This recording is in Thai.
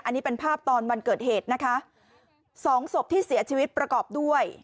อันนี้เป็นภาพตอนวันเกิดเหตุนะคะสองศพที่เสียชีวิตประกอบด้วย